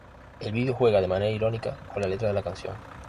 El video juega de manera irónica con la letra de la canción.